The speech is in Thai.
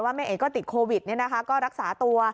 ที่แม่เอ๋ก็ติดโไปโบราฮีก็รักษาตัว